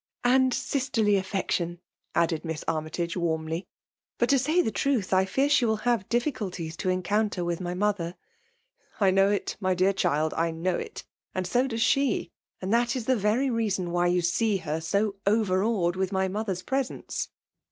•" And sisterly affection," added Miss Army tage warmly. " But to say the truth, I fear she will have difficulties to encounter with my mother." '' I know it, my dear child — I know it — and no does she ; and that is the very reason why you see her so overawed in my mother's pre^ sence."